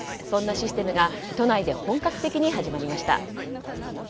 そんなシステムが都内で本格的に始まりました。